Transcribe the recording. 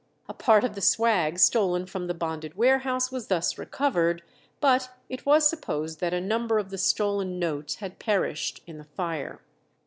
A part of the "swag" stolen from the bonded warehouse was thus recovered, but it was supposed that a number of the stolen notes had perished in the fire.